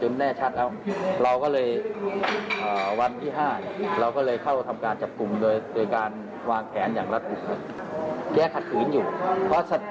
แม่ชัดแล้วเราก็เลยวันที่๕เราก็เลยเข้าทำการจับกลุ่มโดยการพอวางแผนอย่างแม่ชัด๕